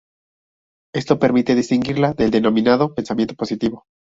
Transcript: Esto permite distinguirla del denominado: "Pensamiento positivo".